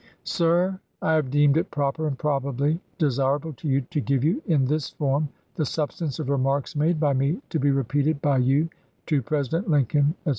Sir : I have deemed it proper, and probably desirable to you, to give you, in this form, the substance of remarks made by me, to be repeated by you to President Lincoln, etc.